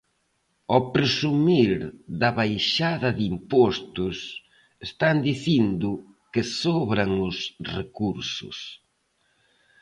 Ao presumir da baixada de impostos, están dicindo que sobran os recursos.